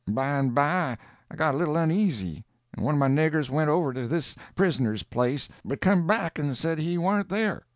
By and by I got a little uneasy, and one of my niggers went over to this prisoner's place, but come back and said he warn't there.